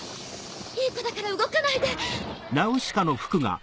いい子だから動かないで。